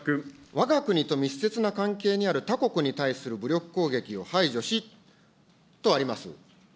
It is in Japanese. わが国と密接な関係のある他国に対する武力攻撃を排除しとあります。